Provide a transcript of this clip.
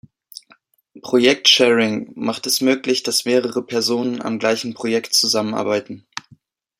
Projekt Sharing macht es möglich, dass mehrere Personen am gleichen Projekt zusammenarbeiten.